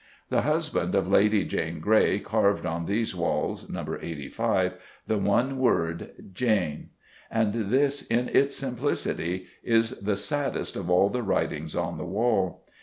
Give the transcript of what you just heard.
The husband of Lady Jane Grey carved on these walls (No. 85) the one word "Jane," and this in its simplicity is the saddest of all the writings on the wall.